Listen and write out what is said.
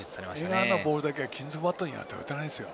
江川のボールだけは金属バットじゃないと打てないですよ。